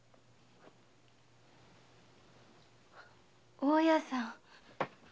大家さん。